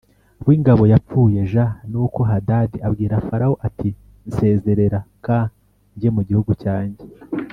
w ingabo yapfuye j Nuko Hadadi abwira Farawo ati nsezerera k njye mu gihugu cyanjye